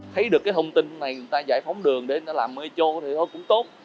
thấy được cái thông tin này người ta giải phóng đường để làm mê chô thì thôi cũng tốt